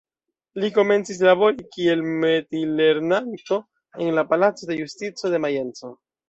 Li komencis labori kiel metilernanto en la palaco de Justico de Majenco.